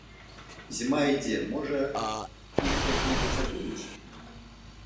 Зіма ідзе, можа, іх як-небудзь абуюць.